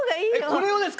えっこれをですか？